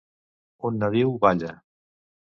Un nadiu balla.